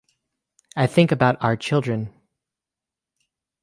I think about our children.